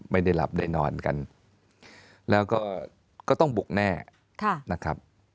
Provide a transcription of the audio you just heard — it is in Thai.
ไม่ได้หลับได้นอนกันแล้วก็ก็ต้องบุกแน่นะครับ